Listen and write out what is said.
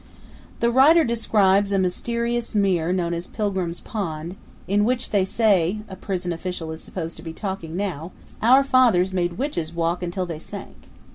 The writer describes a "mysterious mere" known as Pilgrim's Pond, "in which they say" a prison official is supposed to be talking now "our fathers made witches walk until they sank."